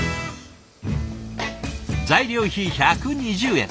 材料費１２０円。